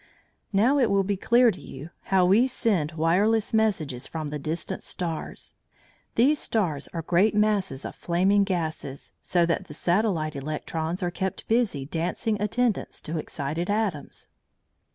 Now it will be clear to you how we send wireless messages from the distant stars. These stars are great masses of flaming gases, so that the satellite electrons are kept busy dancing attendance to excited atoms.